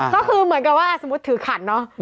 ก็คือเหมือนกับว่าสมมุติถือขันเนาะ